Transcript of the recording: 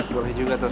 boleh juga tuan